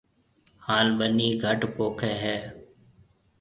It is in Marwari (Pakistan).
ھان ٻنِي گھٽ پوکيَ ھيََََ